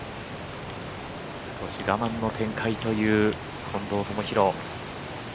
少し我慢の展開という近藤智弘。